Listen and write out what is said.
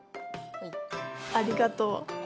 ありがとう。